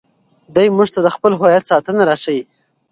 دی موږ ته د خپل هویت ساتنه راښيي.